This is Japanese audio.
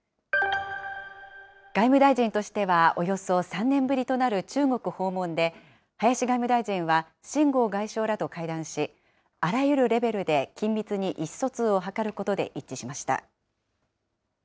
外務大臣としてはおよそ３年ぶりとなる中国訪問で、林外務大臣は秦剛外相らと会談し、あらゆるレベルで緊密に意思疎通を図ることで一致しました。